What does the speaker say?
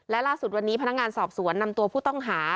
และล่าสุดวันนี้พนักงานสอบสวนนำตัวผู้ต้องหา